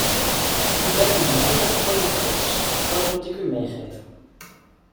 U bent een behendige politicus, dat moet ik u meegeven.